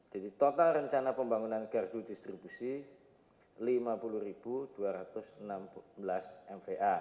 jadi total rencana pembangunan gardu distribusi lima puluh dua ratus enam belas mva